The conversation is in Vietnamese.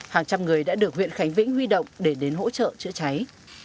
hàng trăm người đã được huyện khánh vĩnh huy động để đến hỗ trợ chữa cháy